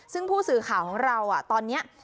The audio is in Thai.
ซึ่งผู้สื่อข่าวของเราตอนนี้